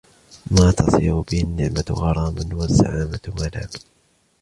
مَا تَصِيرُ بِهِ النِّعْمَةُ غَرَامًا وَالزَّعَامَةُ مَلَامًا